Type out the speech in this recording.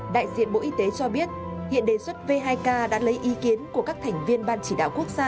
đại diện bộ y tế cho biết hiện đề xuất v hai k đã lấy ý kiến của các thành viên ban chỉ đạo quốc gia